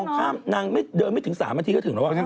สร้างจู๊ยต้องข้ามบ้านมาร์เลย